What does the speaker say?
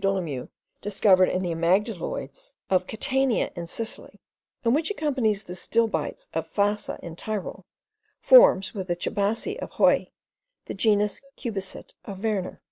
Dolomieu discovered in the amygdaloids of Catania in Sicily, and which accompanies the stilbites of Fassa in Tyrol, forms, with the chabasie of Hauy, the genus Cubicit of Werner.